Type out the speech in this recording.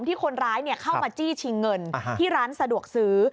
ที่คนร้ายเข้ามาจี้ชิงเงินที่ร้านสะดวกซื้อ